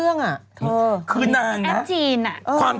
คุณหมอโดนกระช่าคุณหมอโดนกระช่า